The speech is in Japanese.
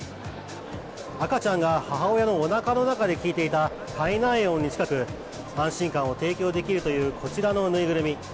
赤ちゃんが母親のおなかの中で聞いていた胎内音に近く安心感を提供できるというこちらのぬいぐるみ。